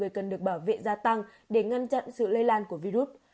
cần được bảo vệ gia tăng để ngăn chặn sự lây lan của virus